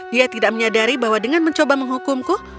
dia tidak menyadari bahwa dengan mencoba menghukumku